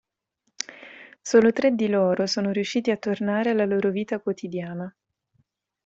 Solo tre di loro sono riusciti a tornare alla loro vita quotidiana.